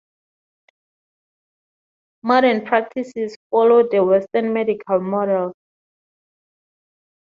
Modern practices follow the Western medical model.